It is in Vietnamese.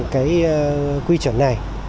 cái quy chuẩn này